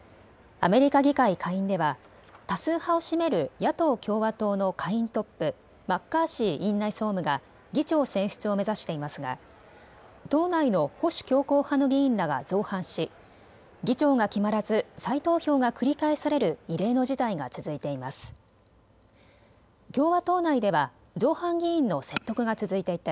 アメリカ議会下院では多数派を占める野党・共和党の下院トップ、マッカーシー院内総務が議長選出を目指していますが党内の保守強硬派の議員らが造反し議長が決まらず再投票が繰り返される異例の事態が続いています。